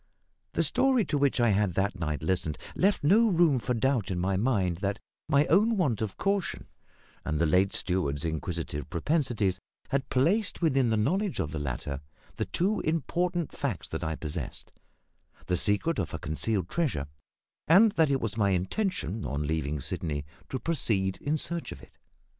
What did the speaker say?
The story to which I had that night listened left no room for doubt in my mind that my own want of caution and the late steward's inquisitive propensities had placed within the knowledge of the latter the two important facts that I possessed the secret of a concealed treasure, and that it was my intention, on leaving Sydney, to proceed in search of it.